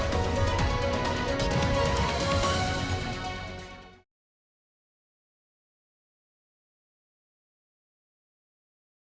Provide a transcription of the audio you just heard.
semopa yang sudah sulit mungkinwedih